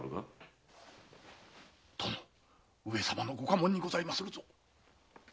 殿上様のご下問にございまするぞ。